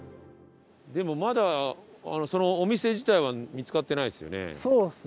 でもまだそのお店自体は見つかってないですよね。